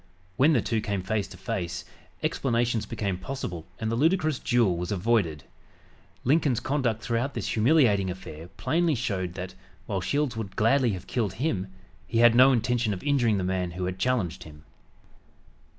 When the two came face to face, explanations became possible and the ludicrous duel was avoided. Lincoln's conduct throughout this humiliating affair plainly showed that, while Shields would gladly have killed him, he had no intention of injuring the man who had challenged him.